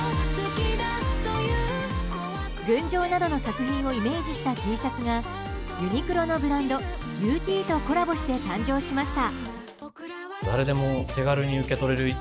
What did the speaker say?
「群青」などの作品をイメージしたＴシャツがユニクロのブランドＵＴとコラボして誕生しました。